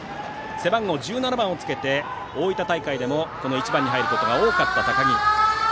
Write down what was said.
背番号１７番をつけて大分大会でも１番に入ることが多かった高木。